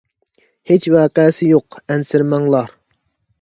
ھېچ ۋەقەسى يوق، ئەنسىرىمەڭلار!